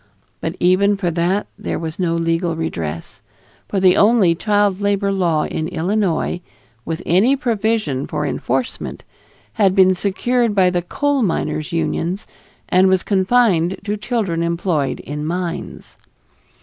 But even for that there was no legal redress, for the only child labor law in Illinois, with any provision for enforcement, had been secured by the coal miners' unions, and was confined to children employed in mines.